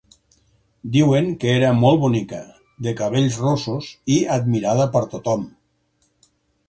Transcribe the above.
Diuen que era molt bonica, de cabells rossos i admirada per tothom.